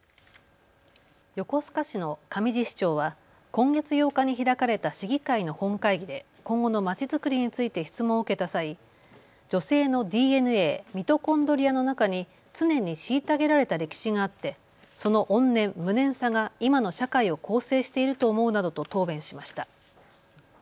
横須賀市の上地市長は今月８日に開かれた市議会の本会議で今後のまちづくりについて質問を受けた際、女性のＤＮＡ、ミトコンドリアの中に常に虐げられた歴史があってその怨念、無念さが今の社会を構成していると思うなどと答弁しました。